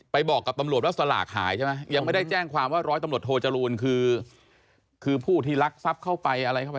บอกกับตำรวจว่าสลากหายใช่ไหมยังไม่ได้แจ้งความว่าร้อยตำรวจโทจรูลคือคือผู้ที่รักทรัพย์เข้าไปอะไรเข้าไป